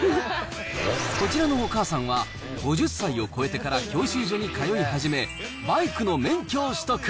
こちらのお母さんは５０歳を超えてから教習所に通い始め、バイクの免許を取得。